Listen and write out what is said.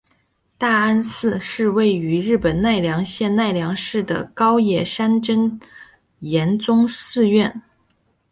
大安寺是位在日本奈良县奈良市的高野山真言宗寺院。